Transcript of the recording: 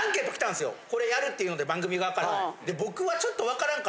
これやるっていうので番組側から。